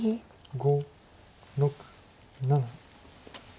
５６７。